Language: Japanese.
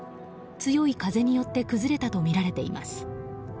強い風によって崩れたとみられています。